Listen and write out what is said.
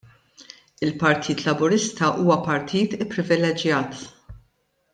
Il-Partit Laburista huwa partit ipprivileġġjat.